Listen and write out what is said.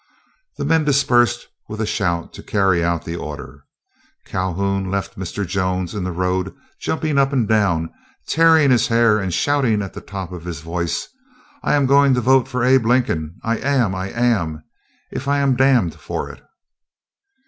The men dispersed with a shout to carry out the order. Calhoun left Mr. Jones in the road jumping up and down, tearing his hair and shouting at the top of his voice, "I am going to vote for Abe Lincoln. I am—I am, if I am damned for it!"